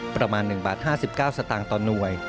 ประมาณ๑บาท๕๙สตางค์ต่อหน่วย